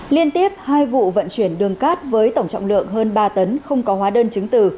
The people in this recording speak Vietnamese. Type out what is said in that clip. liên tiếp hai vụ vận chuyển đường cát với tổng trọng lượng hơn ba tấn không có hóa đơn chứng từ